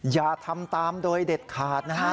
อย่าทำตามโดยเด็ดขาดนะฮะ